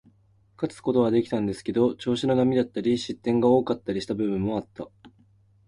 勝つことはできたんですけど、調子の波だったり、失点が多かったりした部分もあった。